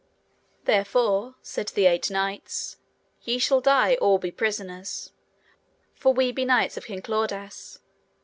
Therefore, said the eight knights, ye shall die or be prisoners, for we be knights of King Claudas.